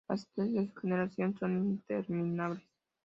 Las historias de su generosidad son interminables.